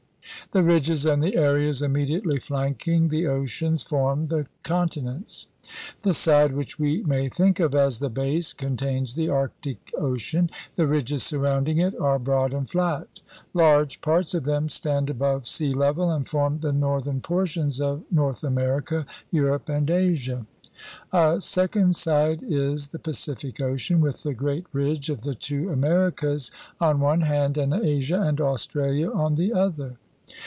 The ridges and the areas immediately flanking the oceans form the conti nents. The side which we may think of as the base contains the Arctic Ocean, The ridges surround ing it are broad and flat. Large parts of them stand above sea level and form the northern portions of North America, Europe, and Asia. A second side is the Pacific Ocean with the great ridge of the two Americas on one hand and Asia and Australia on the other.